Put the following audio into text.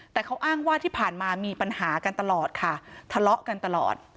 แต่เขาอ้างว่าที่ผ่านมามีปัญหากันตลอดค่ะทะเลาะกันตลอด